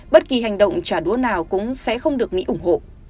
bất kỳ hành động trả đũa nào cũng sẽ không được mỹ ủng hộ